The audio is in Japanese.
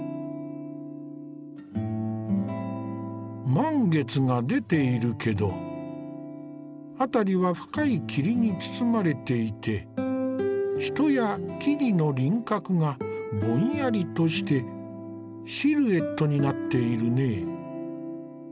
満月が出ているけど辺りは深い霧に包まれていて人や木々の輪郭がぼんやりとしてシルエットになっているね。